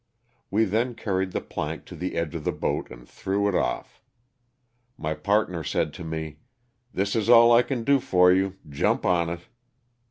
We then carried the plank to the edge of the boat and threw it off. My partner said to me, " This is all that 1 can do for you, jump on it."